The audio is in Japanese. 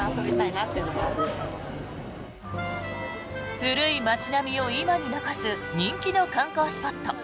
古い街並みを今に残す人気の観光スポット